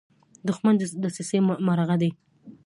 دښمن د دسیسې مرغه دی